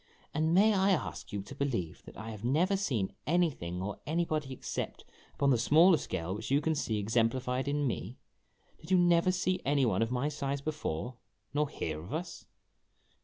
" And may I ask you to believe that I have never seen anything or anybody except upon the smaller scale which you can see ex emplified in me? Did you never see any one of my size before, nor hear of us